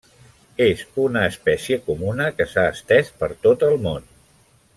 És una espècie comuna que s'ha estès per tot el món.